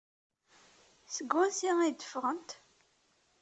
Seg wansi ay d-ffɣent?